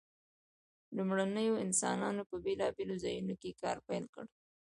لومړنیو انسانانو په بیلابیلو ځایونو کې کار پیل کړ.